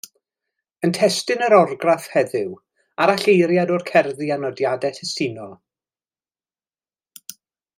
Y testun yn orgraff heddiw, aralleiriad o'r cerddi a nodiadau testunol.